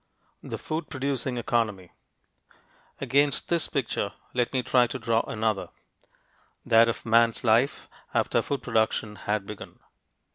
THE FOOD PRODUCING ECONOMY Against this picture let me try to draw another that of man's life after food production had begun.